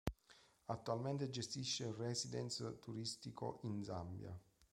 Attualmente gestisce un "residence" turistico in Zambia.